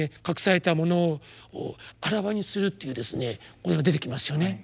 「隠されたものを顕わにする」ということが出てきますよね。